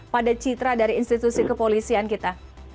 pada citra dari institusi kepolisian kita